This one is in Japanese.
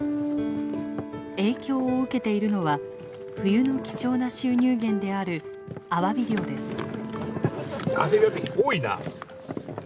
影響を受けているのは冬の貴重な収入減であるアワビ漁です。